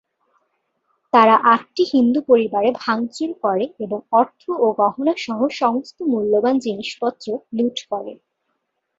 তারা আটটি হিন্দু পরিবারে ভাঙচুর করে এবং অর্থ ও গহনা সহ সমস্ত মূল্যবান জিনিসপত্র লুট করে।